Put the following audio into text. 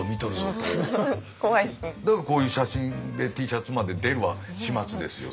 だからこういう写真でＴシャツまで出る始末ですよ